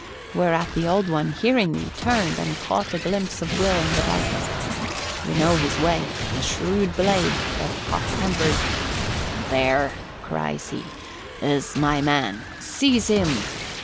Whereat the Old One, hearing me, turned and caught a glimpse of Will in the darkness. You know his way a shrewd blade, but hot tempered. 'There,' cries he, 'is my man! Seize him!'